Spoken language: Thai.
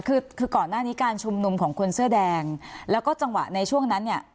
คือคือก่อนหน้านี้การชุมนุมของคนเสื้อแดงแล้วก็จังหวะในช่วงนั้นเนี่ย